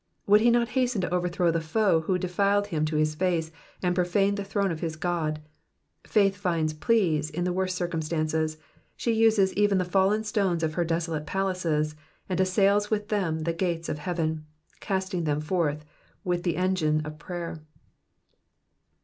Would he . not hasten to overthrow the foe who defied him to his face, and profaned the throne of his glory? Faith finds pleas in the worst circumstances, she uses even the fallen stones of her desolate palaces, and assails with them the gates of heaven, casting them forth with the great engine of prayer.